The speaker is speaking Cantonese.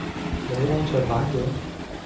冇安卓版嘅？